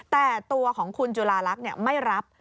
แต่ตัวของคุณจุลาลักษณ์ไม่รับ